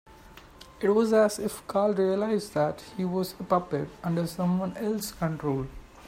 It was as if Carl realised that he was a puppet under someone else's control.